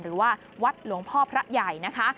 หรือว่าวัดหลวงพ่อพระใหญ่นะคะ